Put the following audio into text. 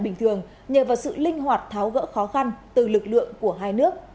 bình thường nhờ vào sự linh hoạt tháo gỡ khó khăn từ lực lượng của hai nước